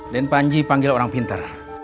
dan panji panggil orang pintar